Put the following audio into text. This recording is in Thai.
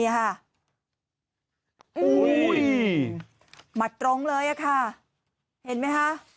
หมัดตรงเลยอ่ะค่ะเห็นมั้ยคะ